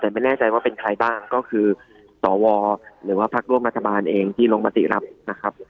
แต่ไม่แน่ใจว่าเป็นใครบ้างก็คือสวหรือว่าพักร่วมรัฐบาลเองที่ลงมติรับนะครับ